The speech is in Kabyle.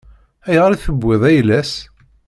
Ayɣer i tewwiḍ ayla-s?